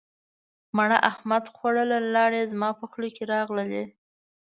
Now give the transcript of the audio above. مڼه احمد خوړله لیاړې زما په خوله کې راغللې.